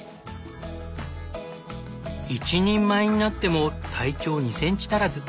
一人前になっても体長２センチ足らず。